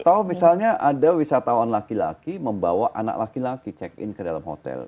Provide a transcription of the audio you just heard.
atau misalnya ada wisatawan laki laki membawa anak laki laki check in ke dalam hotel